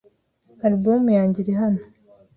Album yanjye irihano.